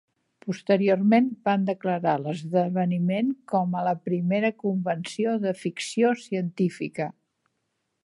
Posteriorment, van declarar l'esdeveniment com a la primera convenció de ficció científica.